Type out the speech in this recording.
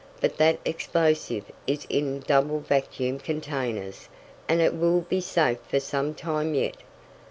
But that explosive is in double vacuum containers, and it will be safe for some time yet.